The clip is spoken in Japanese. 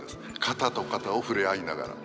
肩と肩を触れ合いながら。